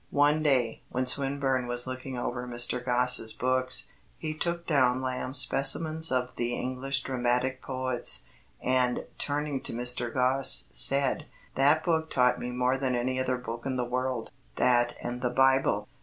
One day, when Swinburne was looking over Mr. Gosse's books, he took down Lamb's Specimens of the English Dramatic Poets, and, turning to Mr. Gosse, said, "That book taught me more than any other book in the world that and the Bible."